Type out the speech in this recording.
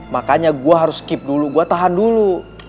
makanya gue harus keep dulu gue tahan dulu